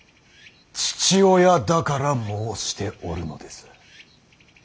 父親だから申しておるのです。